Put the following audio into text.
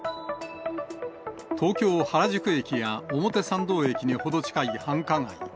東京・原宿駅や表参道駅に程近い繁華街。